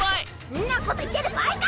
んなこと言ってる場合か！